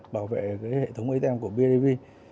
bảo vệ hệ thống atm của btv